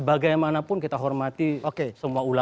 bagaimanapun kita hormati semua ulama